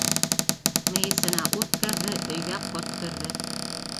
Мейесенә ут керҙе, өйгә ҡот керҙе.